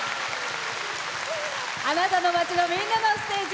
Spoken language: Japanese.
あなたの街の、みんなのステージ